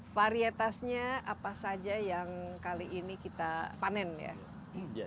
varietasnya apa saja yang kali ini kita panen ya